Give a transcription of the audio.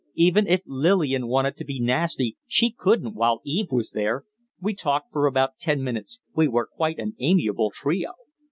Even if Lillian wanted to be nasty, she couldn't, while Eve was there. We talked for about ten minutes. We were quite an amiable trio.